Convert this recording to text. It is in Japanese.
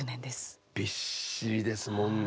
びっしりですもんね。